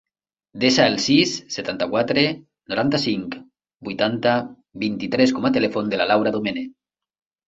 Desa el sis, setanta-quatre, noranta-cinc, vuitanta, vint-i-tres com a telèfon de la Laura Domene.